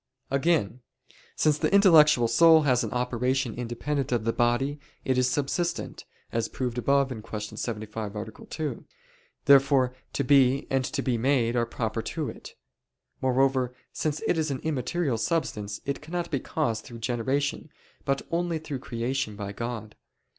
Again, since the intellectual soul has an operation independent of the body, it is subsistent, as proved above (Q. 75, A. 2): therefore to be and to be made are proper to it. Moreover, since it is an immaterial substance it cannot be caused through generation, but only through creation by God.